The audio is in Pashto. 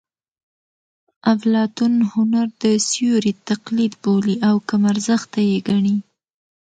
اپلاتون هنر د سیوري تقلید بولي او کم ارزښته یې ګڼي